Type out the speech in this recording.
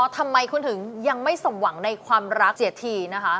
ทำไมคุณถึงยังไม่สมหวังในความรักเสียทีนะคะ